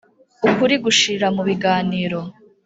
Ukuri gushirira mu biganiro.